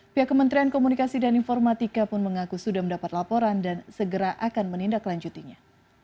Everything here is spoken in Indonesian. pihak kementerian komunikasi dan informatika pun mengaku sudah mendapat laporan dan segera akan menindaklanjutinya